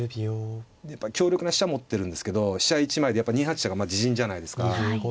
やっぱ強力な飛車持ってるんですけど飛車１枚でやっぱ２八飛車が自陣じゃないですか。